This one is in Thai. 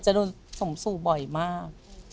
จะโดนส่งสู่บ่อยมาก